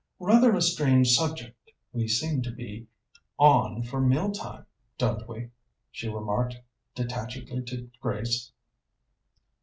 "Rather a strange subject we seem to be on for mealtime, don't we?" she remarked detachedly to Grace.